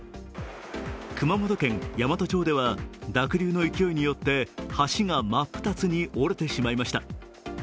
熊本県山都町では濁流の勢いによって橋が真っ二つに折れてしまいました。